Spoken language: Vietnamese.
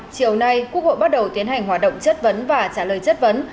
chiều nay quốc hội bắt đầu tiến hành hoạt động chất vấn và trả lời chất vấn